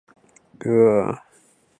棕夜鹭为鹭科夜鹭属下的一个种。